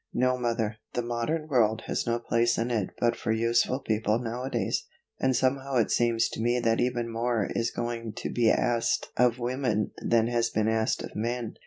"No, mother, the modern world has no place in it but for useful people nowadays. And somehow it seems to me that even more is going to be asked of women than has been asked of men.